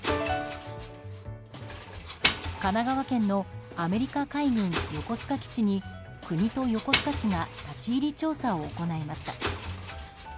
神奈川県のアメリカ海軍横須賀基地に国と横須賀市が立ち入り調査を行いました。